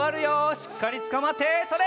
しっかりつかまってそれ！